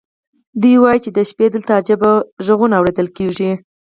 دوی وایي چې د شپې دلته عجیب غږونه اورېدل کېږي.